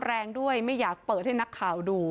แรงด้วยไม่อยากเปิดให้นักข่าวดู